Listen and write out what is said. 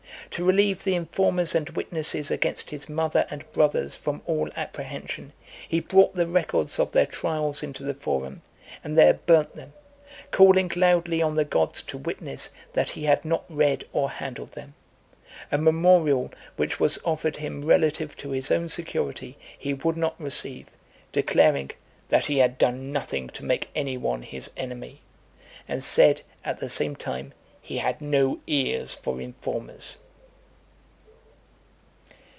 To relieve the informers and witnesses against his mother and brothers from all apprehension, he brought the records of their trials into the forum, and there burnt them, calling loudly on the gods to witness that he had not read or handled them. A memorial which was offered him relative to his own security, he would not receive, declaring, "that he had done nothing to make any one his enemy:" and said, at the same time, "he had no ears for informers."